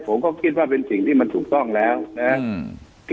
ผมก็คิดว่าเป็นสิ่งที่มันถูกต้องแล้วนะครับ